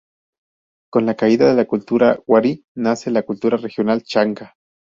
Con la caída de la cultura wari nace la cultura regional chanca.